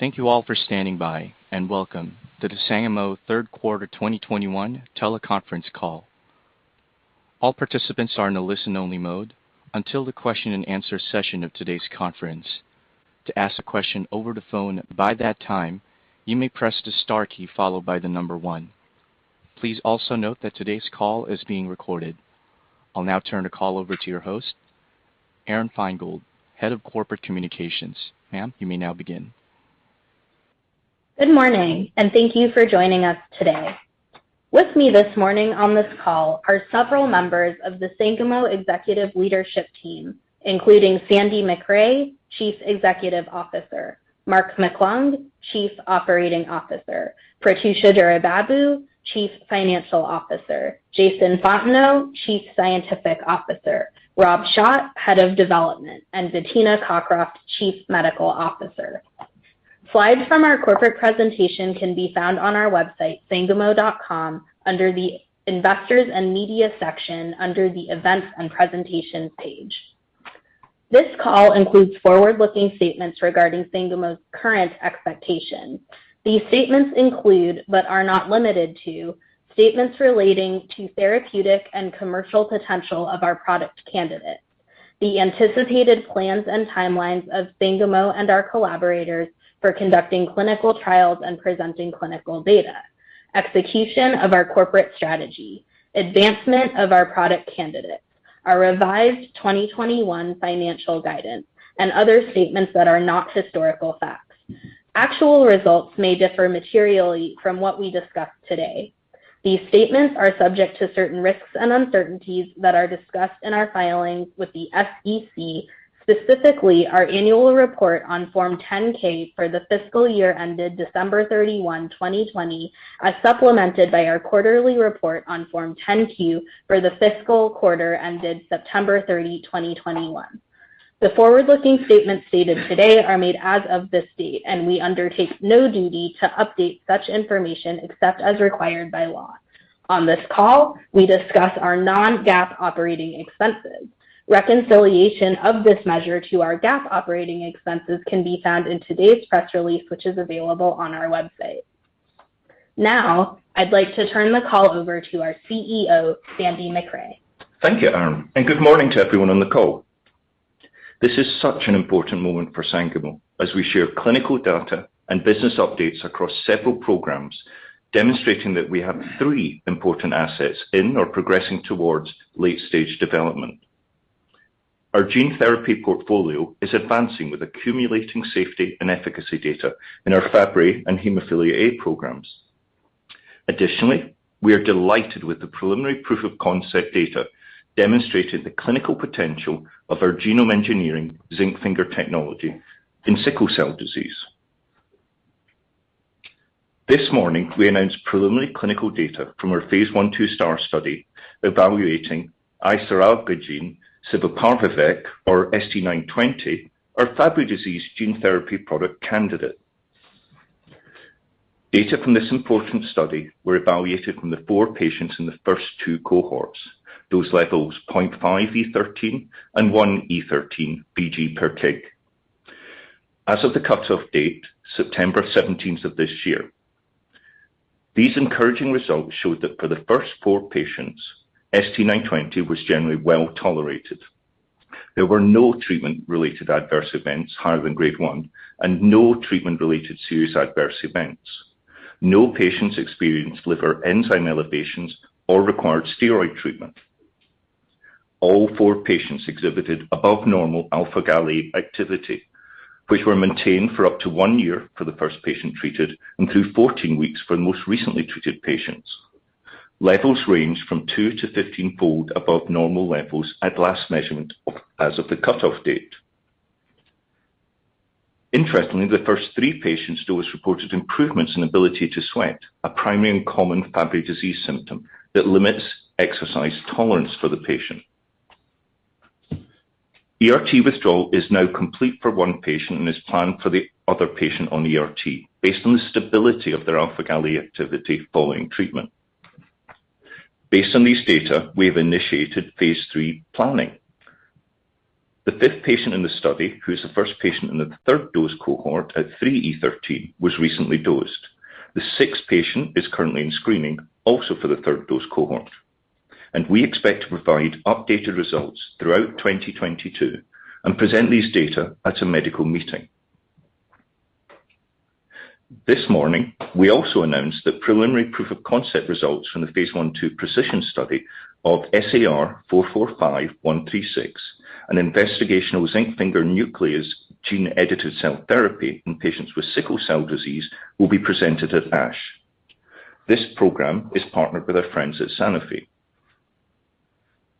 Thank you all for standing by, and welcome to the Sangamo Third Quarter 2021 Teleconference Call. All participants are in a listen-only mode until the question and answer session of today's conference. To ask a question over the phone by that time, you may press the star key followed by the number 1. Please also note that today's call is being recorded. I'll now turn the call over to your host, Aron Feingold, Head of Corporate Communications. Ma'am, you may now begin. Good morning, and thank you for joining us today. With me this morning on this call are several members of the Sangamo executive leadership team, including Sandy Macrae, Chief Executive Officer, Mark McClung, Chief Operating Officer, Prathyusha Duraibabu, Chief Financial Officer, Jason Fontenot, Chief Scientific Officer, Rob Schott, Head of Development, and Bettina Cockroft, Chief Medical Officer. Slides from our corporate presentation can be found on our website, sangamo.com, under the Investors & Media section under the Events and Presentations page. This call includes forward-looking statements regarding Sangamo's current expectations. These statements include, but are not limited to, statements relating to therapeutic and commercial potential of our product candidates, the anticipated plans and timelines of Sangamo and our collaborators for conducting clinical trials and presenting clinical data, execution of our corporate strategy, advancement of our product candidates, our revised 2021 financial guidance, and other statements that are not historical facts. Actual results may differ materially from what we discuss today. These statements are subject to certain risks and uncertainties that are discussed in our filings with the SEC, specifically our annual report on Form 10-K for the fiscal year ended December 31, 2020, as supplemented by our quarterly report on Form 10-Q for the fiscal quarter ended September 30, 2021. The forward-looking statements stated today are made as of this date, and we undertake no duty to update such information except as required by law. On this call, we discuss our non-GAAP operating expenses. Reconciliation of this measure to our GAAP operating expenses can be found in today's press release, which is available on our website. Now I'd like to turn the call over to our CEO, Sandy Macrae. Thank you, Aron, and good morning to everyone on the call. This is such an important moment for Sangamo as we share clinical data and business updates across several programs, demonstrating that we have three important assets in or progressing towards late-stage development. Our gene therapy portfolio is advancing with accumulating safety and efficacy data in our Fabry and Hemophilia A programs. Additionally, we are delighted with the preliminary proof-of-concept data demonstrating the clinical potential of our genome engineering zinc finger technology in sickle cell disease. This morning, we announced preliminary clinical data from our phase I/II STAR study evaluating isaralgagene civaparvovec or ST-920, our Fabry disease gene therapy product candidate. Data from this important study were evaluated from the four patients in the first two cohorts, dose levels 0.5 × 10^13 and 1 × 10^13 vg per kg. As of the cutoff date, September 17 of this year. These encouraging results showed that for the first four patients, ST-920 was generally well-tolerated. There were no treatment-related adverse events higher than grade 1 and no treatment-related serious adverse events. No patients experienced liver enzyme elevations or required steroid treatment. All four patients exhibited above normal alpha-Gal A activity, which were maintained for up to 1 year for the first patient treated and through 14 weeks for most recently treated patients. Levels ranged from two- to 15-fold above normal levels at last measurement as of the cutoff date. Interestingly, the first three patients dosed reported improvements in ability to sweat, a primary and common Fabry disease symptom that limits exercise tolerance for the patient. ERT withdrawal is now complete for one patient and is planned for the other patient on ERT based on the stability of their alpha-Gal A activity following treatment. Based on these data, we have initiated phase III planning. The fifth patient in the study, who is the first patient in the third dose cohort at 3e13, was recently dosed. The sixth patient is currently in screening also for the third dose cohort. We expect to provide updated results throughout 2022 and present these data at a medical meeting. This morning, we also announced that preliminary proof-of-concept results from the phase I/II PRECIZN-1 study of SAR 445136, an investigational zinc finger nuclease gene-edited cell therapy in patients with sickle cell disease, will be presented at ASH. This program is partnered with our friends at Sanofi.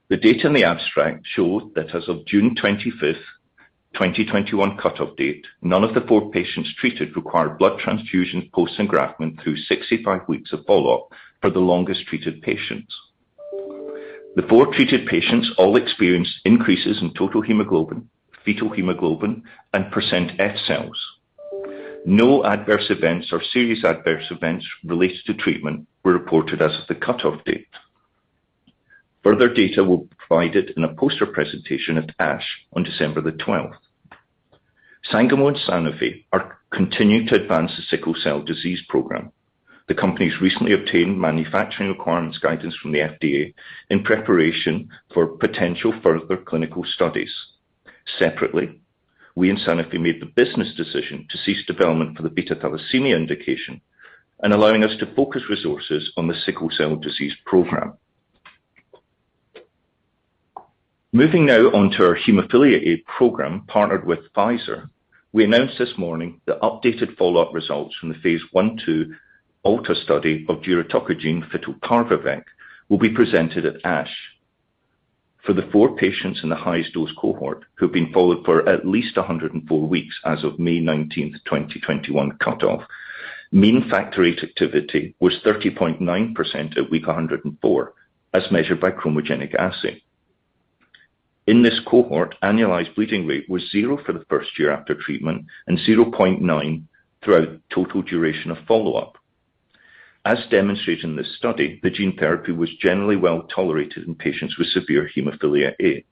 The data in the abstract showed that as of June 25, 2021 cutoff date, none of the four patients treated required blood transfusion post-engraftment through 65 weeks of follow-up for the longest treated patients. The four treated patients all experienced increases in total hemoglobin, fetal hemoglobin, and Percent F-cells. No adverse events or serious adverse events related to treatment were reported as of the cutoff date. Further data will be provided in a poster presentation at ASH on December 12. Sangamo and Sanofi are continuing to advance the sickle cell disease program. The companies recently obtained manufacturing requirements guidance from the FDA in preparation for potential further clinical studies. Separately, we and Sanofi made the business decision to cease development for the beta thalassemia indication and allowing us to focus resources on the sickle cell disease program. Moving now on to our hemophilia A program partnered with Pfizer. We announced this morning that updated follow-up results from the phase I/II ALTA study of giroctocogene fitelparvovec will be presented at ASH. For the four patients in the highest dose cohort who have been followed for at least 104 weeks as of May 19, 2021 cutoff, mean Factor VIII activity was 30.9% at week 104 as measured by chromogenic assay. In this cohort, annualized bleeding rate was 0 for the first year after treatment and 0.9 throughout total duration of follow-up. As demonstrated in this study, the gene therapy was generally well-tolerated in patients with severe hemophilia A.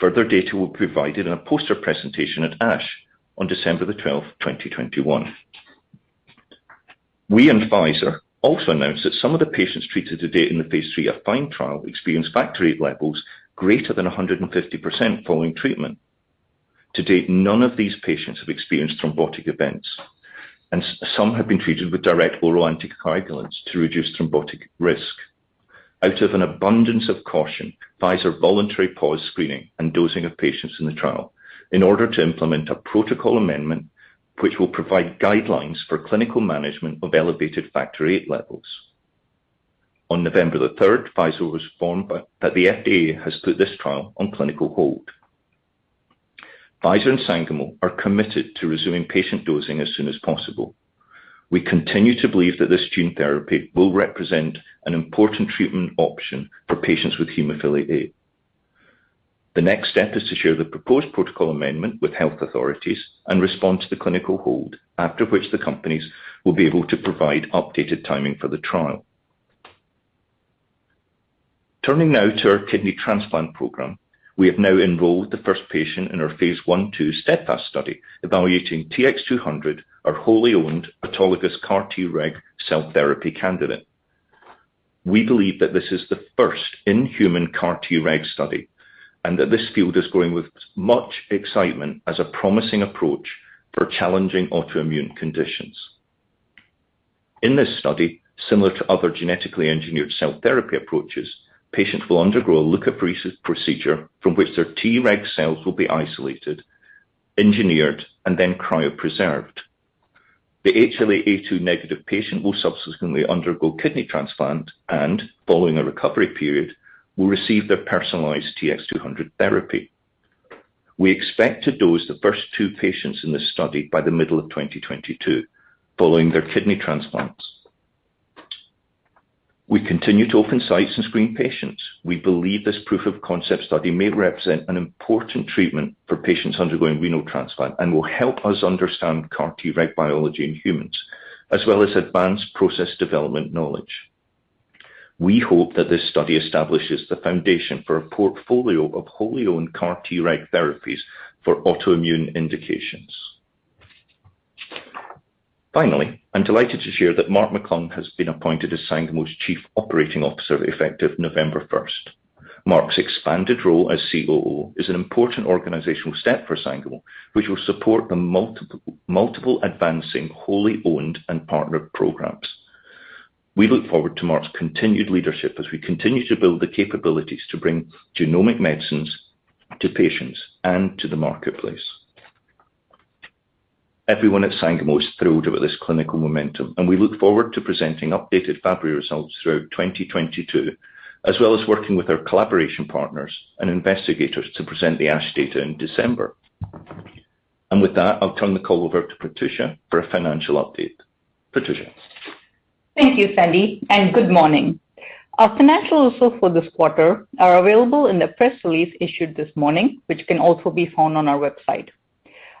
Further data will be provided in a poster presentation at ASH on December 12, 2021. We and Pfizer also announced that some of the patients treated to date in the phase III AFFINE trial experienced Factor VIII levels greater than 150 following treatment. To date, none of these patients have experienced thrombotic events, and some have been treated with direct oral anticoagulants to reduce thrombotic risk. Out of an abundance of caution, Pfizer voluntarily paused screening and dosing of patients in the trial in order to implement a protocol amendment which will provide guidelines for clinical management of elevated Factor VIII levels. On November the third, Pfizer was informed by the FDA that the FDA has put this trial on clinical hold. Pfizer and Sangamo are committed to resuming patient dosing as soon as possible. We continue to believe that this gene therapy will represent an important treatment option for patients with hemophilia A. The next step is to share the proposed protocol amendment with health authorities and respond to the clinical hold, after which the companies will be able to provide updated timing for the trial. Turning now to our kidney transplant program. We have now enrolled the first patient in our phase I/II STEADFAST study evaluating TX200, our wholly owned autologous CAR-Treg cell therapy candidate. We believe that this is the first-in-human CAR-Treg study, and that this field is growing with much excitement as a promising approach for challenging autoimmune conditions. In this study, similar to other genetically engineered cell therapy approaches, patients will undergo a leukapheresis procedure from which their Treg cells will be isolated, engineered, and then cryopreserved. The HLA-A2 negative patient will subsequently undergo kidney transplant and, following a recovery period, will receive their personalized TX200 therapy. We expect to dose the first 2 patients in this study by the middle of 2022 following their kidney transplants. We continue to open sites and screen patients. We believe this proof of concept study may represent an important treatment for patients undergoing renal transplant and will help us understand CAR T-reg biology in humans, as well as advance process development knowledge. We hope that this study establishes the foundation for a portfolio of wholly owned CAR T-reg therapies for autoimmune indications. Finally, I'm delighted to share that Mark McClung has been appointed as Sangamo's Chief Operating Officer, effective November 1. Mark's expanded role as COO is an important organizational step for Sangamo, which will support the multiple advancing wholly owned and partnered programs. We look forward to Mark's continued leadership as we continue to build the capabilities to bring genomic medicines to patients and to the marketplace. Everyone at Sangamo is thrilled about this clinical momentum, and we look forward to presenting updated Fabry results throughout 2022, as well as working with our collaboration partners and investigators to present the ASH data in December. With that, I'll turn the call over to Prathyusha for a financial update. Prathyusha. Thank you, Sandy, and good morning. Our financials so for this quarter are available in the press release issued this morning, which can also be found on our website.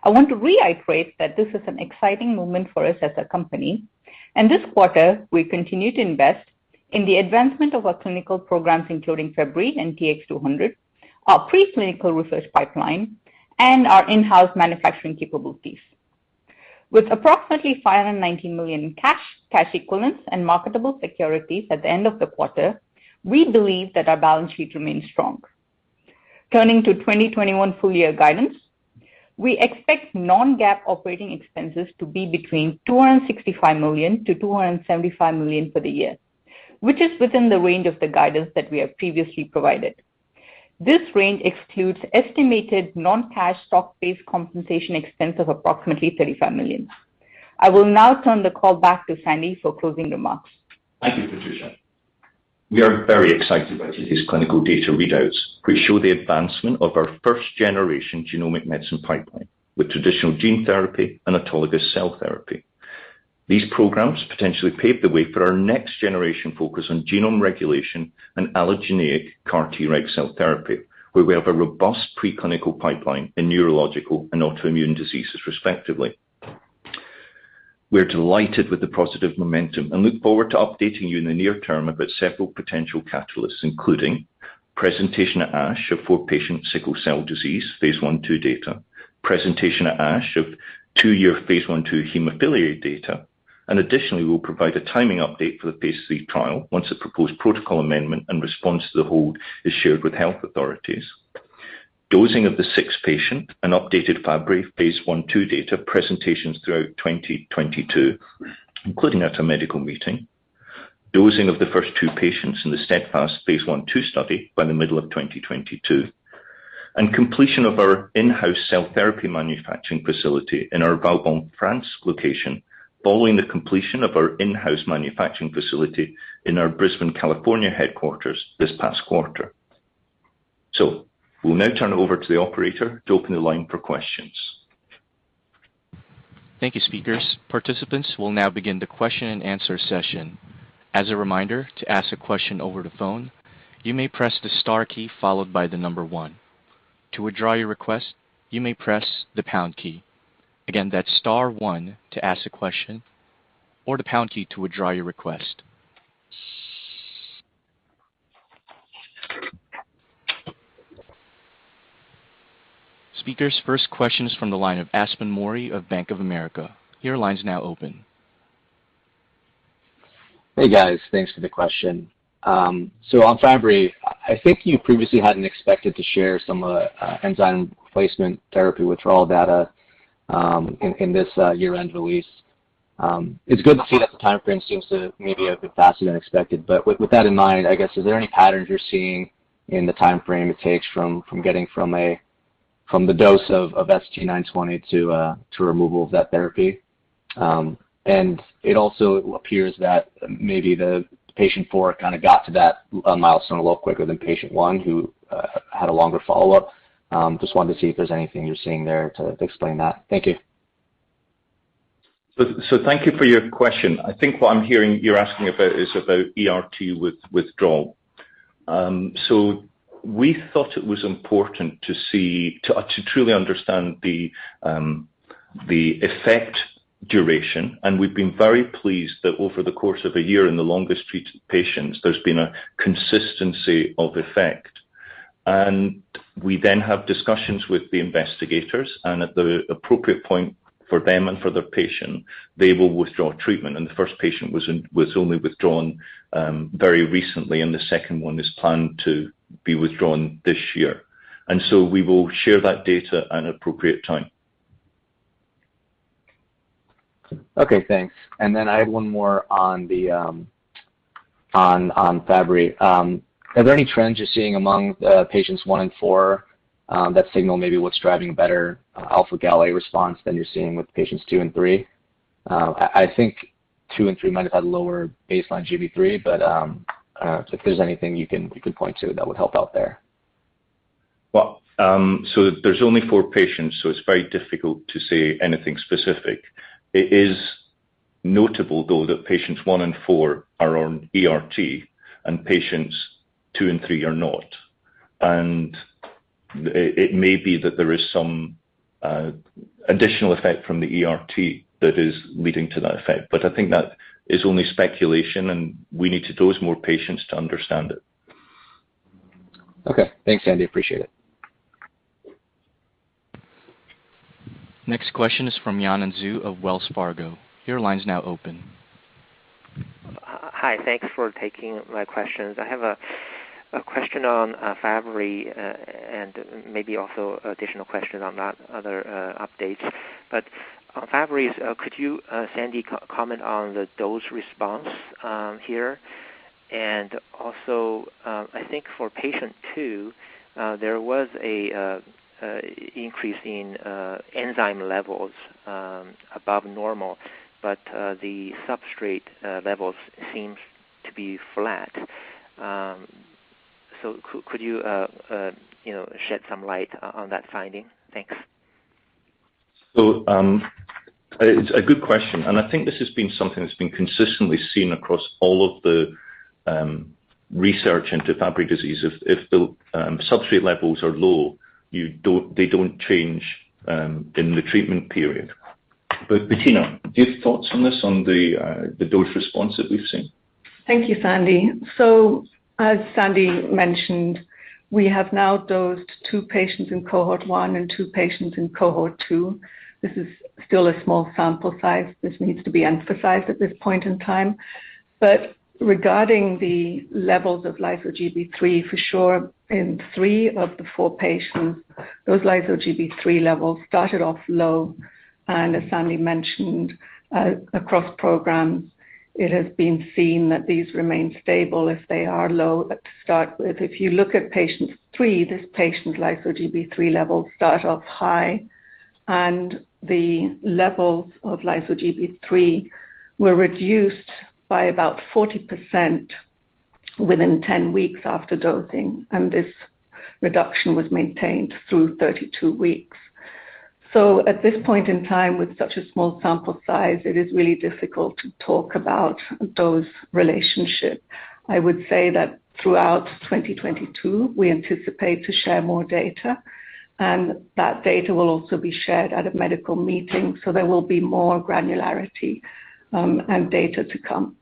I want to reiterate that this is an exciting moment for us as a company. This quarter we continue to invest in the advancement of our clinical programs, including Fabry and TX200, our preclinical research pipeline, and our in-house manufacturing capabilities. With approximately $59 million in cash equivalents, and marketable securities at the end of the quarter, we believe that our balance sheet remains strong. Turning to 2021 full year guidance. We expect non-GAAP operating expenses to be between $265 million-$275 million for the year, which is within the range of the guidance that we have previously provided. This range excludes estimated non-cash stock-based compensation expense of approximately $35 million. I will now turn the call back to Sandy for closing remarks. Thank you, Prathyusha. We are very excited about these clinical data readouts, which show the advancement of our first generation genomic medicine pipeline with traditional gene therapy and autologous cell therapy. These programs potentially pave the way for our next generation focus on genome regulation and allogeneic CAR-Treg cell therapy, where we have a robust preclinical pipeline in neurological and autoimmune diseases, respectively. We're delighted with the positive momentum and look forward to updating you in the near term about several potential catalysts, including presentation at ASH of four patients sickle cell disease phase I/II data. Presentation at ASH of two-year phase I/II hemophilia data. Additionally, we'll provide a timing update for the phase III trial once a proposed protocol amendment and response to the hold is shared with health authorities. Dosing of the sixth patient and updated Fabry phase I/II data presentations throughout 2022, including at a medical meeting. Dosing of the first two patients in the STEADFAST phase I/II study by the middle of 2022. Completion of our in-house cell therapy manufacturing facility in our Valbonne, France location, following the completion of our in-house manufacturing facility in our Brisbane, California headquarters this past quarter. We'll now turn it over to the operator to open the line for questions. Thank you, speakers. Participants, we'll now begin the question and answer session. As a reminder, to ask a question over the phone, you may press the star key followed by the number one. To withdraw your request, you may press the pound key. Again, that's star one to ask a question or the pound key to withdraw your request. Speakers, first question is from the line of Aspen Mori of Bank of America. Your line is now open. Hey, guys. Thanks for the question. On Fabry, I think you previously hadn't expected to share some of the enzyme replacement therapy withdrawal data in this year-end release. It's good to see that the timeframe seems to maybe have been faster than expected. With that in mind, I guess, is there any patterns you're seeing in the timeframe it takes from getting from the dose of ST-920 to removal of that therapy? And it also appears that maybe the patient four kinda got to that milestone a little quicker than patient one who had a longer follow-up. Just wanted to see if there's anything you're seeing there to explain that? Thank you. Thank you for your question. I think what I'm hearing you're asking about is about ERT withdrawal. We thought it was important to truly understand the effect duration, and we've been very pleased that over the course of a year in the longest treated patients, there's been a consistency of effect. We then have discussions with the investigators, and at the appropriate point for them and for their patient, they will withdraw treatment. The first patient was only withdrawn very recently, and the second one is planned to be withdrawn this year. We will share that data at an appropriate time. Okay, thanks. Then I have one more on Fabry. Are there any trends you're seeing among patients one and four that signal maybe what's driving a better alpha-Gal A response than you're seeing with patients two and three? I think two and three might have had lower baseline GB3, but if there's anything you can point to that would help out there? Well, there's only four patients, so it's very difficult to say anything specific. It is notable though that patients one and four are on ERT, and patients two and three are not. It may be that there is some additional effect from the ERT that is leading to that effect. I think that is only speculation, and we need to dose more patients to understand it. Okay. Thanks, Sandy. Appreciate it. Next question is from Yanan Zhu of Wells Fargo. Your line is now open. Hi. Thanks for taking my questions. I have a question on Fabry and maybe also additional questions on that other updates. On Fabry, could you, Sandy, comment on the dose response here? Also, I think for patient 2, there was a increase in enzyme levels above normal, but the substrate levels seems to be flat. So could you know, shed some light on that finding? Thanks. It's a good question, and I think this has been something that's been consistently seen across all of the research into Fabry disease. If the substrate levels are low, they don't change in the treatment period. Bettina, do you have thoughts on this on the dose response that we've seen? Thank you, Sandy. As Sandy mentioned, we have now dosed two patients in cohort 1 and two patients in cohort two. This is still a small sample size. This needs to be emphasized at this point in time. Regarding the levels of lyso-Gb3, for sure in three of the four patients, those lyso-Gb3 levels started off low. As Sandy mentioned, across programs, it has been seen that these remain stable if they are low at the start with. If you look at patient 3, this patient lyso-Gb3 levels start off high, and the levels of lyso-Gb3 were reduced by about 40% within 10 weeks after dosing, and this reduction was maintained through 32 weeks. At this point in time, with such a small sample size, it is really difficult to talk about dose relationship. I would say that throughout 2022, we anticipate to share more data. That data will also be shared at a medical meeting, so there will be more granularity and data to come.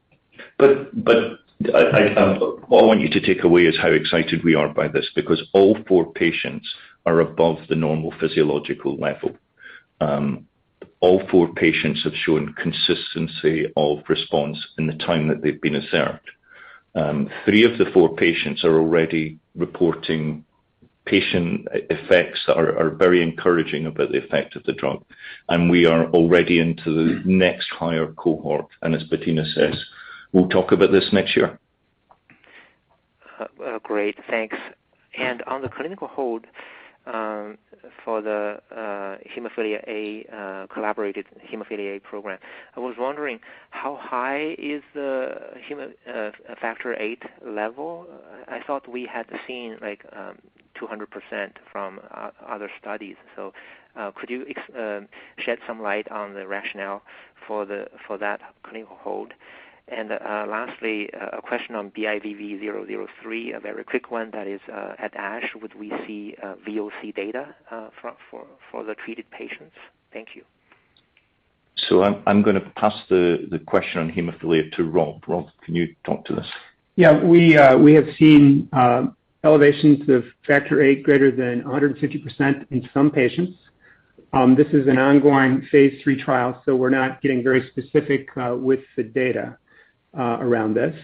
What I want you to take away is how excited we are by this because all four patients are above the normal physiological level. All four patients have shown consistency of response in the time that they've been observed. Three of the four patients are already reporting patient effects are very encouraging about the effect of the drug, and we are already into the next higher cohort. As Bettina says, we'll talk about this next year. On the clinical hold for the hemophilia A collaborated hemophilia A program, I was wondering how high is the Factor VIII level? I thought we had seen like 200% from other studies. Could you shed some light on the rationale for that clinical hold? Lastly, a question on BIVV003, a very quick one that is at ASH. Would we see VOC data for the treated patients? Thank you. I'm gonna pass the question on hemophilia to Rob. Rob, can you talk to this? Yeah. We have seen elevations of Factor VIII greater than 150% in some patients. This is an ongoing phase III trial, so we're not getting very specific with the data around this.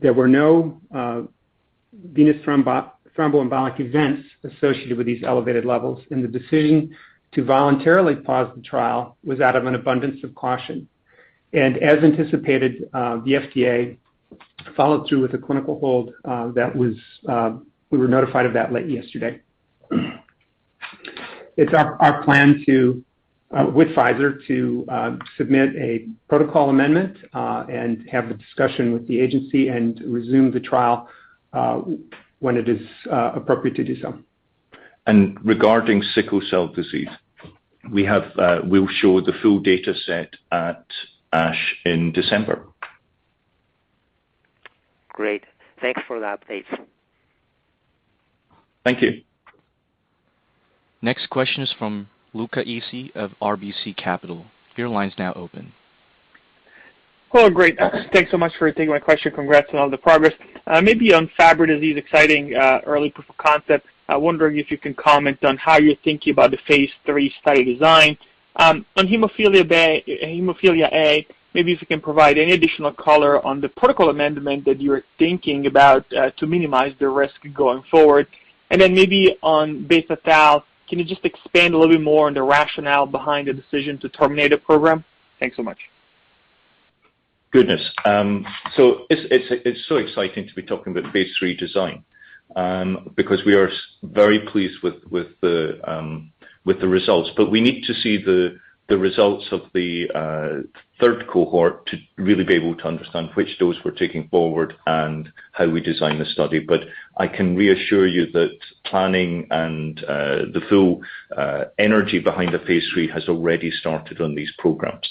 There were no venous thromboembolic events associated with these elevated levels, and the decision to voluntarily pause the trial was out of an abundance of caution. As anticipated, the FDA followed through with a clinical hold that was. We were notified of that late yesterday. It's our plan with Pfizer to submit a protocol amendment and have the discussion with the agency and resume the trial when it is appropriate to do so. Regarding sickle cell disease, we have, we'll show the full data set at ASH in December. Great. Thanks for the updates. Thank you. Next question is from Luca Issi of RBC Capital. Your line's now open. Well, great. Thanks so much for taking my question. Congrats on all the progress. Maybe on Fabry, this exciting early proof of concept, I'm wondering if you can comment on how you're thinking about the phase III study design. On hemophilia A, maybe if you can provide any additional color on the protocol amendment that you're thinking about to minimize the risk going forward. Maybe on beta thal, can you just expand a little bit more on the rationale behind the decision to terminate a program? Thanks so much. Goodness. It's so exciting to be talking about phase III design, because we are very pleased with the results. We need to see the results of the third cohort to really be able to understand which dose we're taking forward and how we design the study. I can reassure you that planning and the full energy behind the phase III has already started on these programs.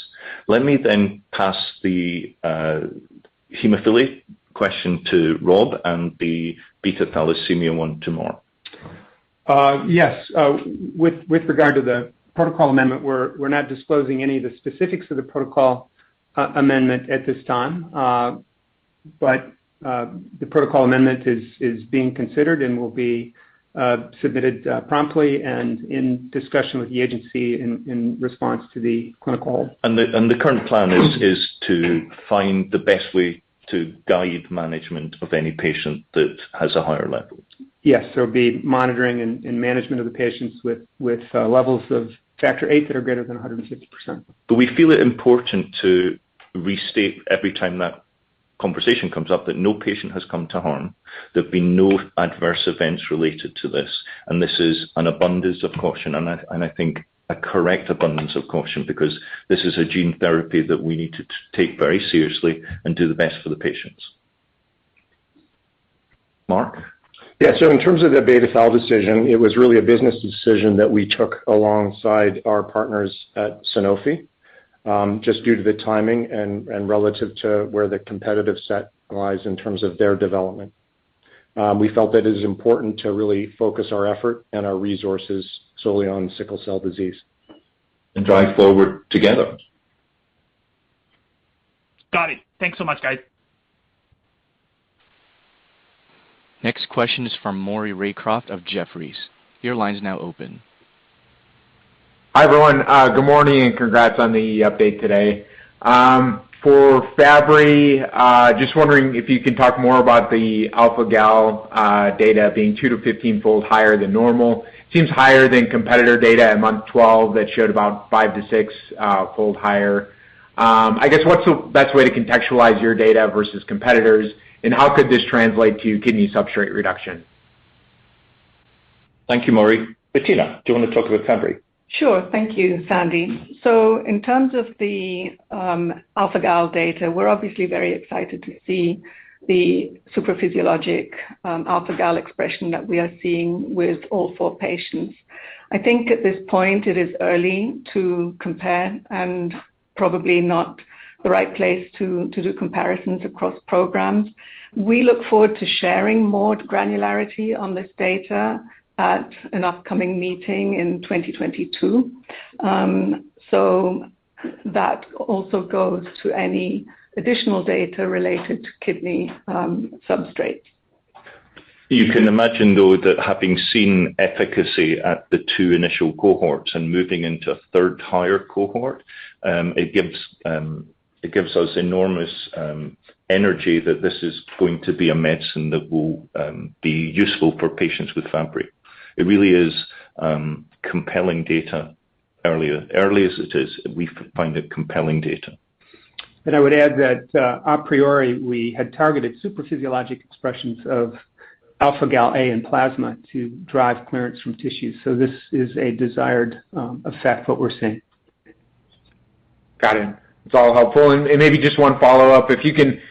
Let me then pass the hemophilia question to Rob and the beta thalassemia one to Mark. Yes. With regard to the protocol amendment, we're not disclosing any of the specifics of the protocol amendment at this time. The protocol amendment is being considered and will be submitted promptly and in discussion with the agency in response to the clinical. The current plan is to find the best way to guide management of any patient that has a higher level. Yes. There'll be monitoring and management of the patients with levels of Factor VIII that are greater than 160%. We feel it important to restate every time that conversation comes up that no patient has come to harm. There have been no adverse events related to this, and this is an abundance of caution, and I think a correct abundance of caution because this is a gene therapy that we need to take very seriously and do the best for the patients. Mark? Yeah. In terms of the beta thal decision, it was really a business decision that we took alongside our partners at Sanofi, just due to the timing and relative to where the competitive set lies in terms of their development. We felt that it's important to really focus our effort and our resources solely on sickle cell disease. Drive forward together. Got it. Thanks so much, guys. Next question is from Maury Raycroft of Jefferies. Your line is now open. Hi, everyone. Good morning, and congrats on the update today. For Fabry, just wondering if you can talk more about the alpha-Gal A data being 2- to 15-fold higher than normal. Seems higher than competitor data at month 12 that showed about 5- to 6-fold higher. I guess what's the best way to contextualize your data versus competitors, and how could this translate to kidney substrate reduction? Thank you, Maury. Bettina, do you wanna talk about Fabry? Sure. Thank you, Sandy. In terms of the alpha-Gal A data, we're obviously very excited to see the supraphysiologic alpha-Gal A expression that we are seeing with all four patients. I think at this point it is early to compare and probably not the right place to do comparisons across programs. We look forward to sharing more granularity on this data at an upcoming meeting in 2022 that also goes to any additional data related to kidney substrate. You can imagine though that having seen efficacy at the two initial cohorts and moving into a third higher cohort, it gives us enormous energy that this is going to be a medicine that will be useful for patients with Fabry. It really is compelling data. Early as it is, we find it compelling data. I would add that, a priori, we had targeted supraphysiologic expressions of alpha-Gal A in plasma to drive clearance from tissue. This is a desired effect, what we're seeing. Got it. It's all helpful. Maybe just one follow-up, if you can,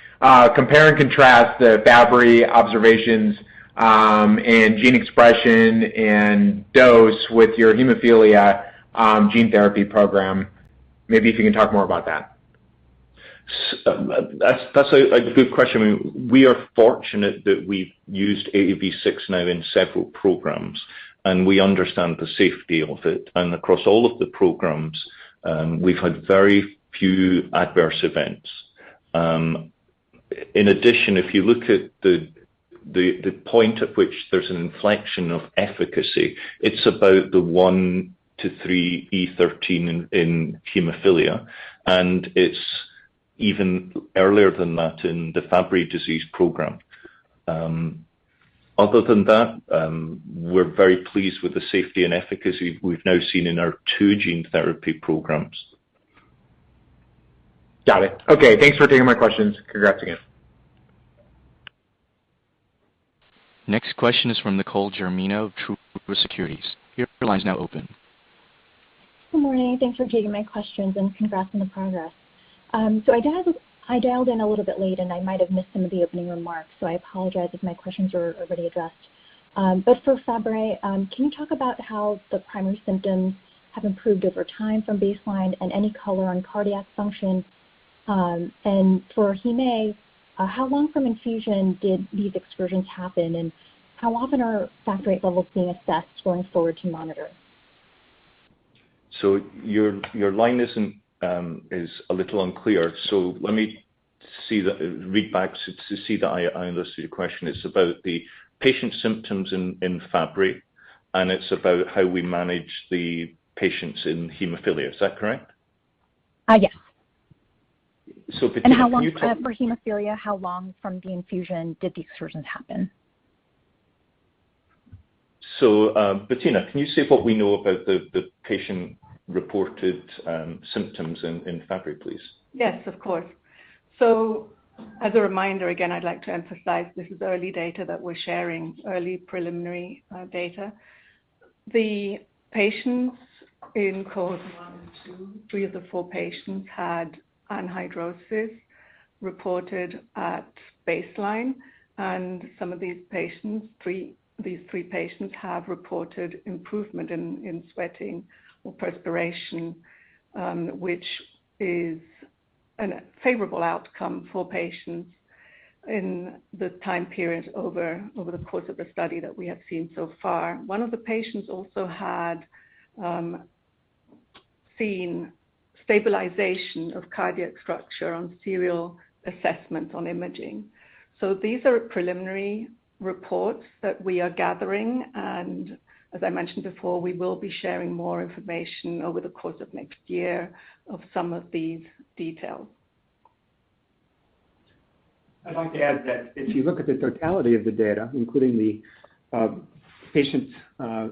compare and contrast the Fabry observations, and gene expression and dose with your hemophilia gene therapy program. Maybe if you can talk more about that. That's a good question. I mean, we are fortunate that we've used AAV6 now in several programs, and we understand the safety of it. Across all of the programs, we've had very few adverse events. In addition, if you look at the point at which there's an inflection of efficacy, it's about the 1-3 E13 in hemophilia, and it's even earlier than that in the Fabry disease program. Other than that, we're very pleased with the safety and efficacy we've now seen in our two gene therapy programs. Got it. Okay, thanks for taking my questions. Congrats again. Next question is from Nicole Germino of Truist Securities. Your line is now open. Good morning. Thanks for taking my questions and congrats on the progress. So I dialed in a little bit late, and I might have missed some of the opening remarks, so I apologize if my questions were already addressed. But for Fabry, can you talk about how the primary symptoms have improved over time from baseline and any color on cardiac function? And for heme, how long from infusion did these excursions happen, and how often are Factor levels being assessed going forward to monitor? Your line is a little unclear, so let me read back to see that I understood your question. It's about the patient symptoms in Fabry, and it's about how we manage the patients in hemophilia. Is that correct? Yes. Bettina, can you- How long for hemophilia from the infusion did the excursions happen? Bettina, can you say what we know about the patient-reported symptoms in Fabry, please? Yes, of course. As a reminder, again, I'd like to emphasize this is early data that we're sharing, early preliminary data. The patients in cohorts 1 and 2, three of the four patients had anhidrosis reported at baseline. Some of these patients, these three patients have reported improvement in sweating or perspiration, which is a favorable outcome for patients in the time period over the course of the study that we have seen so far. One of the patients also had seen stabilization of cardiac structure on serial assessments on imaging. These are preliminary reports that we are gathering and as I mentioned before, we will be sharing more information over the course of next year of some of these details. I'd like to add that if you look at the totality of the data, including the patients'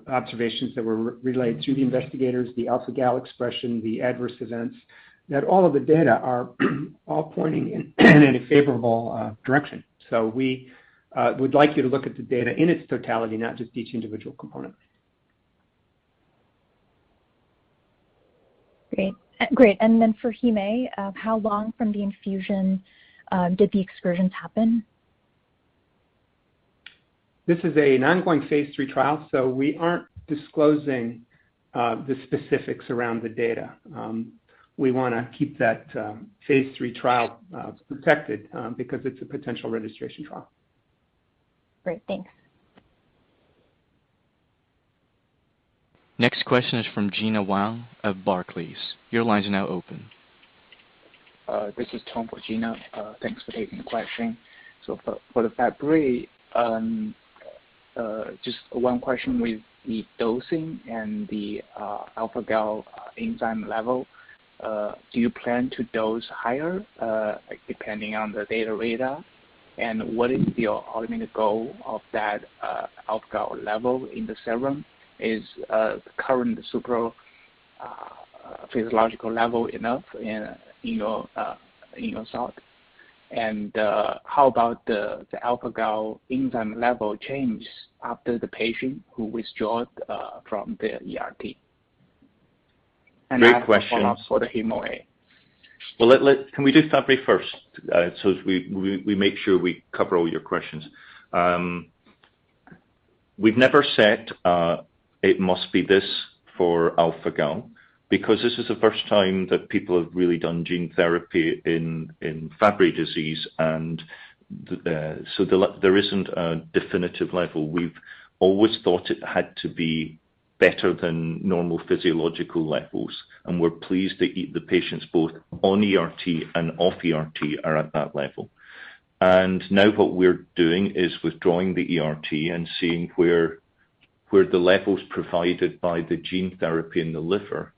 observations that were relayed to the investigators, the alpha-Gal A expression, the adverse events, that all of the data are pointing in a favorable direction. We would like you to look at the data in its totality, not just each individual component. Great. How long from the infusion did the excursions happen? This is an ongoing phase III trial, so we aren't disclosing the specifics around the data. We wanna keep that phase III trial protected because it's a potential registration trial. Great. Thanks. Next question is from Gena Wang of Barclays. Your line is now open. This is Tom for Gena. Thanks for taking the question. For the Fabry, just one question with the dosing and the alpha-Gal A enzyme level. Do you plan to dose higher depending on the data read-out? And what is your ultimate goal of that alpha-Gal A level in the serum? Is current supraphysiological level enough in your thought? And how about the alpha-Gal A enzyme level change after the patient who withdraws from the ERT? Great question. I have one also for the hemophilia A. Well, can we do Fabry first? We make sure we cover all your questions. We've never said it must be this for alpha-Gal A because this is the first time that people have really done gene therapy in Fabry disease and there isn't a definitive level. We've always thought it had to be better than normal physiological levels, and we're pleased that the patients both on ERT and off ERT are at that level. Now what we're doing is withdrawing the ERT and seeing where the levels provided by the gene therapy in the liver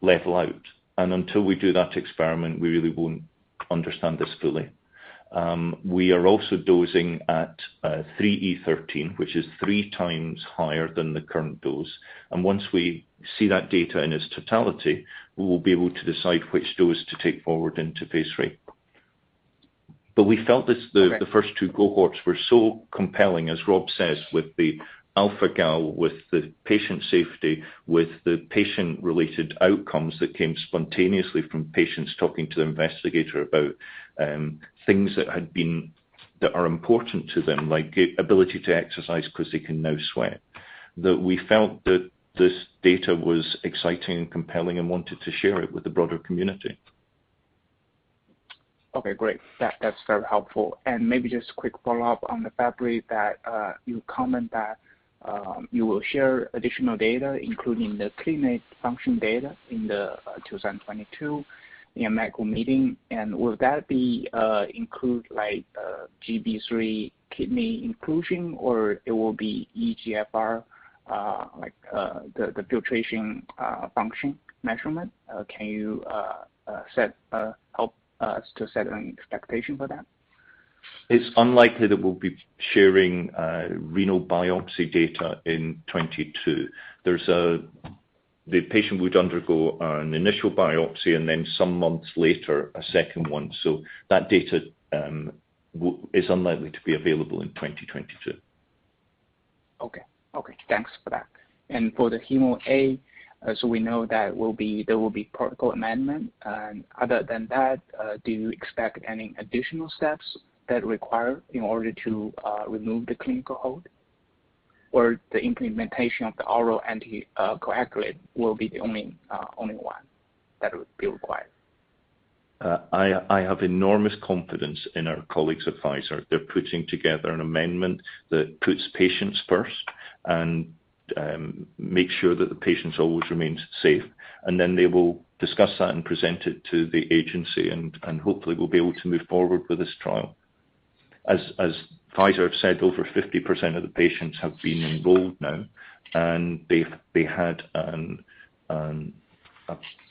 level out. Until we do that experiment, we really won't understand this fully. We are also dosing at 3e13, which is three times higher than the current dose. Once we see that data in its totality, we will be able to decide which dose to take forward into phase III. We felt this. Okay. The first two cohorts were so compelling, as Rob says, with the alpha-Gal A, with the patient safety, with the patient-related outcomes that came spontaneously from patients talking to the investigator about things that are important to them, like ability to exercise 'cause they can now sweat. We felt that this data was exciting and compelling and wanted to share it with the broader community. Okay, great. That's very helpful. Maybe just quick follow-up on the Fabry that you comment that you will share additional data, including the kidney function data in the 2022 medical meeting. Will that include like GB3 kidney inclusion or it will be eGFR like the filtration function measurement? Can you help us to set an expectation for that? It's unlikely that we'll be sharing renal biopsy data in 2022. The patient would undergo an initial biopsy and then some months later, a second one. That data is unlikely to be available in 2022. Okay, thanks for that. For the Hemo A, as we know that will be, there will be protocol amendment. Other than that, do you expect any additional steps that are required in order to remove the clinical hold or the implementation of the oral anticoagulant will be the only one that would be required? I have enormous confidence in our colleagues at Pfizer. They're putting together an amendment that puts patients first and makes sure that the patients always remains safe. Then they will discuss that and present it to the agency and hopefully we'll be able to move forward with this trial. As Pfizer have said, over 50% of the patients have been enrolled now, and they had a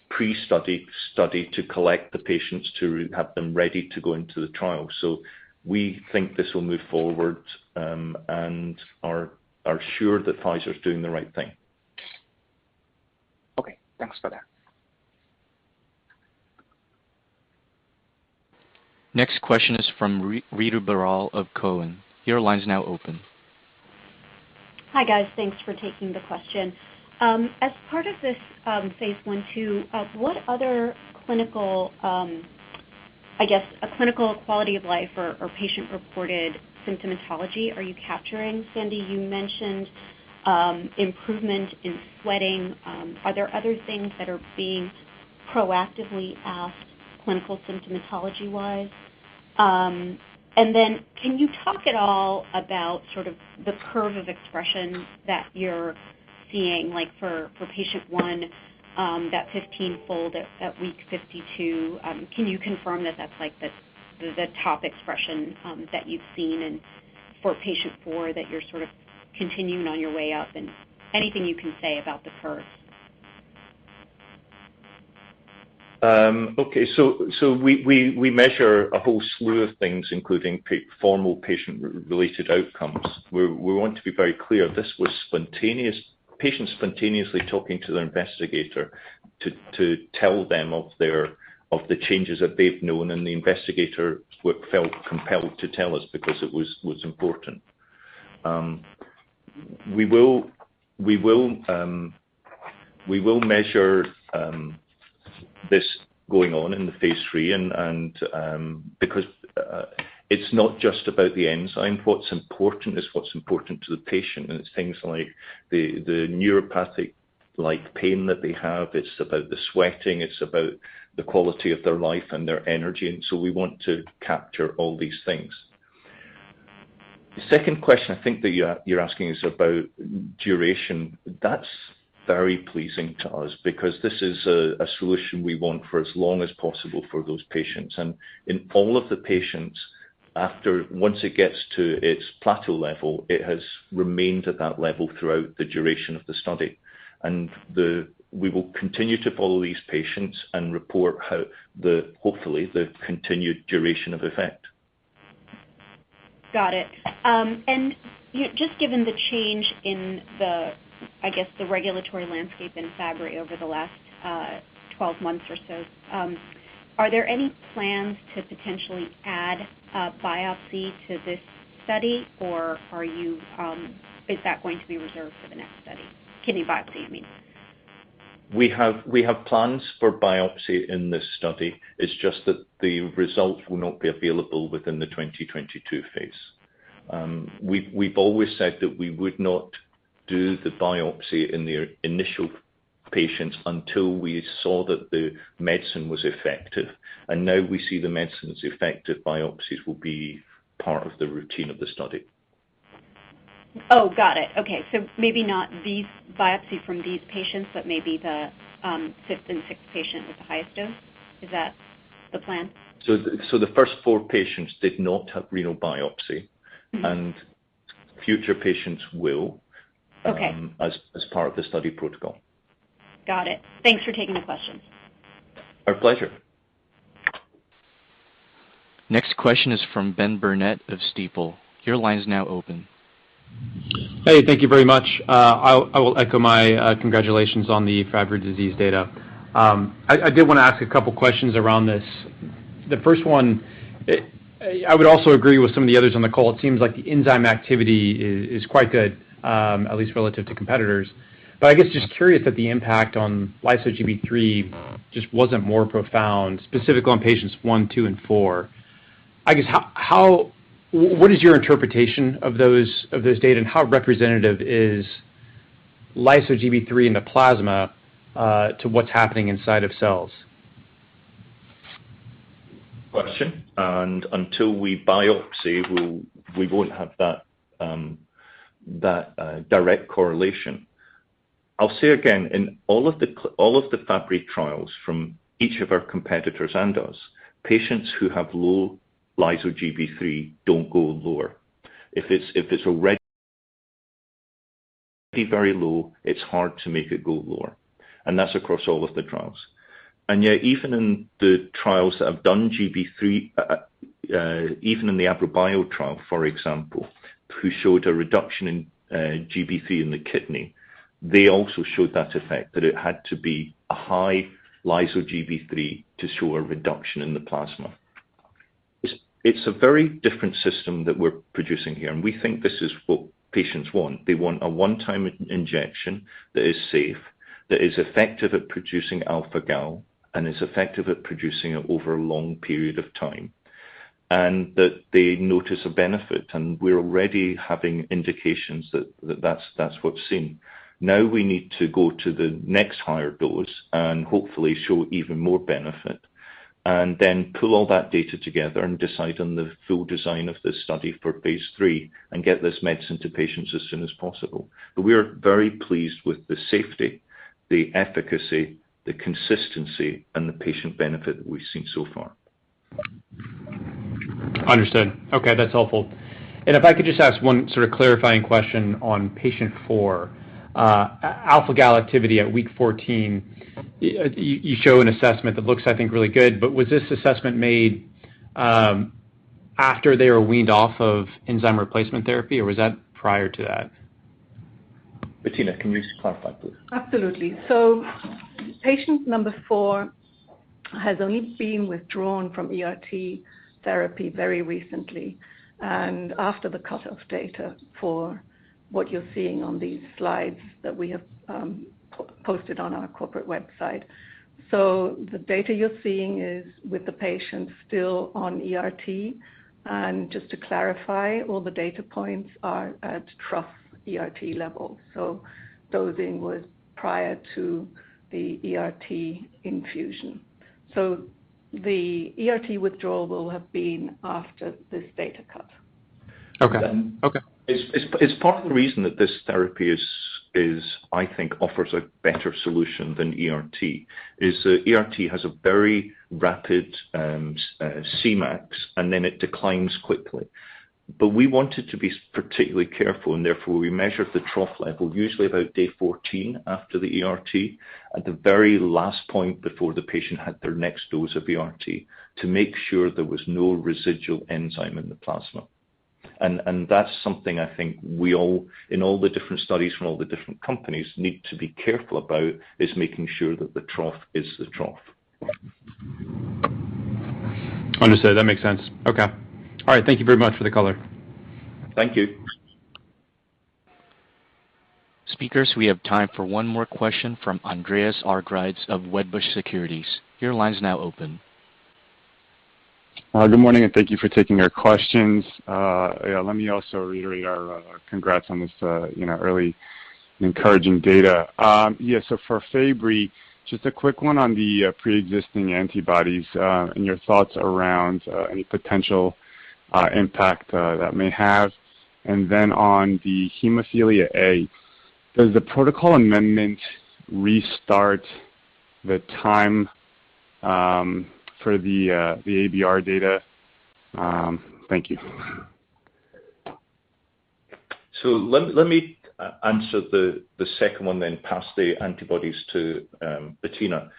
pre-study study to collect the patients to have them ready to go into the trial. We think this will move forward and are sure that Pfizer is doing the right thing. Okay. Thanks for that. Next question is from Ritu Baral of Cowen. Your line's now open. Hi, guys. Thanks for taking the question. As part of this phase I/II, what other clinical, I guess, clinical quality of life or patient-reported symptomatology are you capturing? Sandy, you mentioned improvement in sweating. Are there other things that are being proactively asked clinical symptomatology-wise? Then can you talk at all about sort of the curve of expression that you're seeing, like for patient 1, that 15-fold at week 52? Can you confirm that that's like the top expression that you've seen and for patient 4 that you're sort of continuing on your way up and anything you can say about the curve? Okay. We measure a whole slew of things, including formal patient-related outcomes. We want to be very clear. This was spontaneous patients spontaneously talking to their investigator to tell them of the changes that they've known and the investigator felt compelled to tell us because it was important. We will measure this going on in the phase III and because it's not just about the enzyme. What's important is what's important to the patient. It's things like the neuropathic-like pain that they have. It's about the sweating. It's about the quality of their life and their energy. We want to capture all these things. The second question I think that you're asking is about duration. That's very pleasing to us because this is a solution we want for as long as possible for those patients. In all of the patients, once it gets to its plateau level, it has remained at that level throughout the duration of the study. We will continue to follow these patients and report how, hopefully, the continued duration of effect. Got it. Just given the change in the, I guess, the regulatory landscape in Fabry over the last 12 months or so, Are there any plans to potentially add a biopsy to this study or are you, Is that going to be reserved for the next study? Kidney biopsy, I mean. We have plans for biopsy in this study. It's just that the results will not be available within the 2022 phase. We've always said that we would not do the biopsy in the initial patients until we saw that the medicine was effective. Now we see the medicine's effective, biopsies will be part of the routine of the study. Oh, got it. Okay, maybe not these biopsies from these patients, but maybe the fifth and sixth patient with the highest dose. Is that the plan? The first four patients did not have renal biopsy. Mm-hmm. Future patients will. Okay as part of the study protocol. Got it. Thanks for taking the questions. Our pleasure. Next question is from Ben Burnett of Stifel. Your line is now open. Hey, thank you very much. I will echo my congratulations on the Fabry disease data. I did wanna ask a couple questions around this. The first one, I would also agree with some of the others on the call. It seems like the enzyme activity is quite good, at least relative to competitors. I guess just curious that the impact on lyso-Gb3 just wasn't more profound, specifically on patients 1, 2, and 4. What is your interpretation of those data, and how representative is lyso-Gb3 in the plasma to what's happening inside of cells? Until we biopsy, we won't have that direct correlation. I'll say again, in all of the Fabry trials from each of our competitors and us, patients who have low lyso-Gb3 don't go lower. If it's already very low, it's hard to make it go lower. That's across all of the trials. Yet even in the trials that have done GB3, even in the Avrobio trial, for example, who showed a reduction in GB3 in the kidney, they also showed that effect, that it had to be a high lyso-Gb3 to show a reduction in the plasma. It's a very different system that we're producing here, and we think this is what patients want. They want a one-time injection that is safe, that is effective at producing alpha-Gal A and is effective at producing it over a long period of time, and that they notice a benefit. We're already having indications that that's what's seen. Now we need to go to the next higher dose and hopefully show even more benefit and then pull all that data together and decide on the full design of this study for phase III and get this medicine to patients as soon as possible. We are very pleased with the safety, the efficacy, the consistency and the patient benefit that we've seen so far. Understood. Okay, that's helpful. If I could just ask one sort of clarifying question on patient 4. Alpha-Gal A activity at week 14, you show an assessment that looks, I think, really good. Was this assessment made after they were weaned off of enzyme replacement therapy, or was that prior to that? Bettina, can you clarify, please? Absolutely. Patient number 4 has only been withdrawn from ERT therapy very recently and after the cutoff data for what you're seeing on these slides that we have posted on our corporate website. The data you're seeing is with the patient still on ERT. Just to clarify, all the data points are at trough ERT levels. Dosing was prior to the ERT infusion. The ERT withdrawal will have been after this data cut. Okay. Okay. It's part of the reason that this therapy is I think offers a better solution than ERT, is that ERT has a very rapid Cmax, and then it declines quickly. We wanted to be particularly careful, and therefore we measured the trough level, usually about day 14 after the ERT, at the very last point before the patient had their next dose of ERT to make sure there was no residual enzyme in the plasma. That's something I think we all, in all the different studies from all the different companies, need to be careful about, is making sure that the trough is the trough. Understood. That makes sense. Okay. All right. Thank you very much for the color. Thank you. Speakers, we have time for one more question from Andreas Argyrides of Wedbush Securities. Your line is now open. Good morning, and thank you for taking our questions. Yeah, let me also reiterate our congrats on this, you know, early encouraging data. Yeah, for Fabry, just a quick one on the preexisting antibodies, and your thoughts around any potential impact that may have. Then on the hemophilia A, does the protocol amendment restart the time for the ABR data? Thank you. Let me answer the second one, then pass the antibodies to Bettina.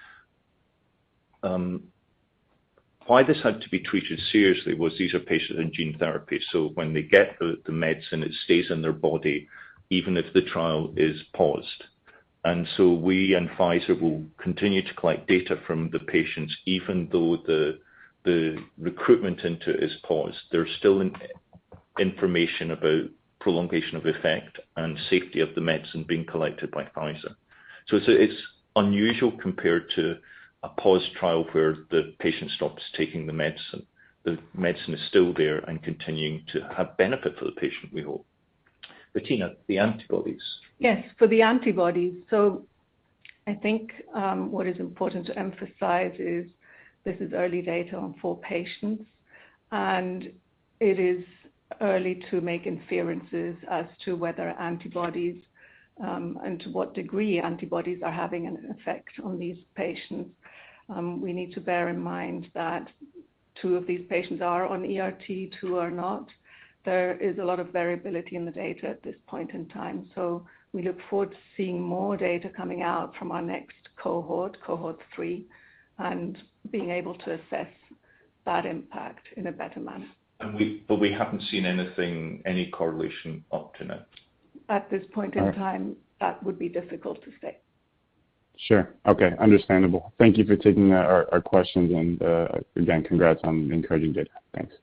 Why this had to be treated seriously was these are patients in gene therapy, so when they get the medicine, it stays in their body even if the trial is paused. We and Pfizer will continue to collect data from the patients. Even though the recruitment into it is paused, there's still information about prolongation of effect and safety of the medicine being collected by Pfizer. It's unusual compared to a paused trial where the patient stops taking the medicine. The medicine is still there and continuing to have benefit for the patient, we hope. Bettina, the antibodies. Yes, for the antibodies. I think what is important to emphasize is this is early data on four patients, and it is early to make inferences as to whether antibodies and to what degree antibodies are having an effect on these patients. We need to bear in mind that two of these patients are on ERT, two are not. There is a lot of variability in the data at this point in time. We look forward to seeing more data coming out from our next cohort three, and being able to assess that impact in a better manner. We haven't seen anything, any correlation up to now. At this point in time. All right. That would be difficult to say. Sure. Okay. Understandable. Thank you for taking our questions, and again, congrats on the encouraging data. Thanks.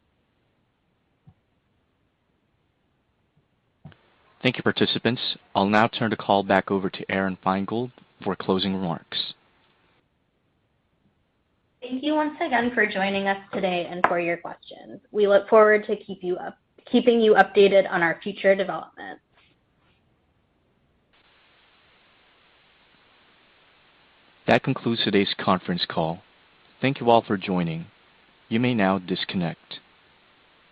Thank you, participants. I'll now turn the call back over to Aron Feingold for closing remarks. Thank you once again for joining us today and for your questions. We look forward to keeping you updated on our future developments. That concludes today's conference call. Thank you all for joining. You may now disconnect.